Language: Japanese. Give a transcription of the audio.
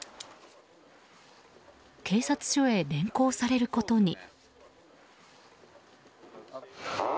警察署へ連行されることに。